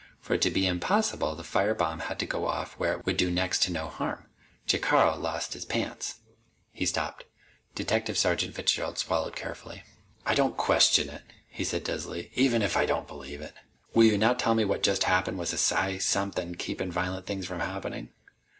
For it to be impossible, the fire bomb had to go off where it would do next to no harm. Jacaro lost his pants." He stopped. Detective Sergeant Fitzgerald swallowed carefully. "I don't question it," he said dizzily, "even if I don't believe it. Will you now tell me that what just happened was a psi something keepin' violent things from happening?"